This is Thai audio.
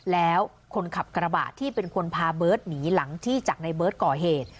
แล้วคนขับกระบะที่เป็นคนพาเบิร์ตหนีหลังจากที่จากในเบิร์ตก่อเหตุ